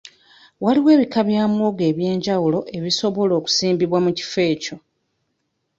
Waliwo ebika bya muwogo eby'enjawulo ebisobola okusimbibwa mu kifo ekyo.